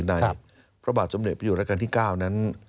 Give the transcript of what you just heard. ในพระบาทสมเด็จประโยชน์รักษณ์ที่๙นั้น